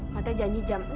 jam enam jam berapa